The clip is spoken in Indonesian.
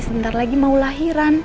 sebentar lagi mau lahiran